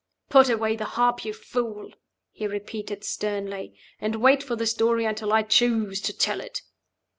"Put away the harp, you fool!" he repeated, sternly. "And wait for the story until I choose to tell it."